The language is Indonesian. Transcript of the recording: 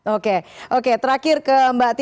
oke oke terakhir ke mbak titi